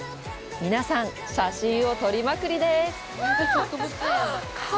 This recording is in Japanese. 皆さん、写真を撮りまくりです！